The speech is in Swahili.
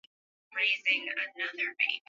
matangazo yanaweza kutangazwa kwenye kila kipindi